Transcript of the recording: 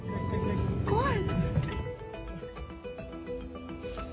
怖い。